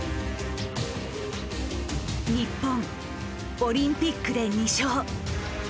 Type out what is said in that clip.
日本オリンピックで２勝。